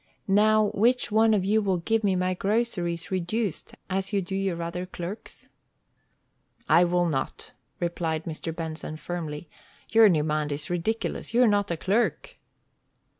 Now which one of you will give me my groceries reduced as you do your other clerks?" "I will not," replied Mr. Benson, firmly. "Your demand is ridiculous. You are not a clerk."